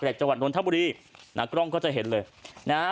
จังหวัดนทบุรีนะกล้องก็จะเห็นเลยนะฮะ